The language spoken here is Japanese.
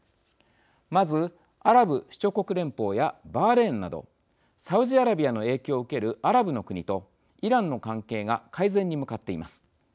まず、アラブ首長国連邦やバーレーンなどサウジアラビアの影響を受けるアラブの国と、イランの関係が改善に向かっています。